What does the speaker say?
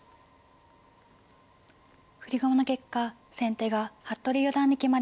振り駒の結果先手が服部四段に決まりました。